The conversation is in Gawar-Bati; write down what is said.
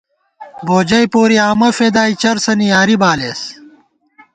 بوجَئ پوری آمہ فېدَئی چرسَنی یاری بالېس